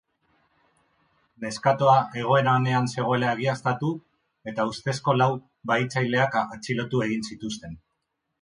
Neskatoa egoera onean zegoela egiaztatu eta ustezko lau bahitzaileak atxilotu egin zituzten.